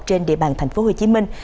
trên địa bàn thành phố hồ chí minh